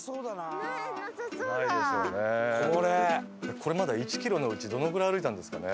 これまだ１キロのうちどのぐらい歩いたんですかね？